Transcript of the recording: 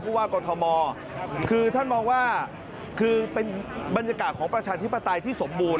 ว่ากรทมคือท่านมองว่าคือเป็นบรรยากาศของประชาธิปไตยที่สมบูรณ